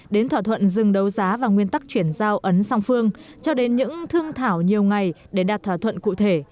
đến thỏa thuận dừng đấu giá và nguyên tắc chuyển giao ấn song phương cho đến những thương thảo nhiều ngày để đạt thỏa thuận cụ thể